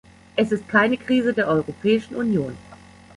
Es ist keine Krise der Europäischen Union.